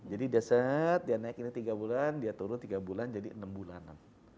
jadi dia set dia naik ini tiga bulan dia turun tiga bulan jadi enam bulanan